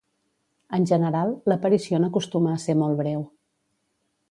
En general, l'aparició n'acostuma a ser molt breu.